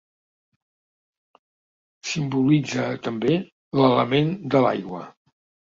Simbolitza, també, l'element de l'aigua.